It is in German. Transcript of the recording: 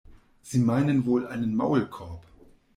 Sie meinen wohl einen Maulkorb?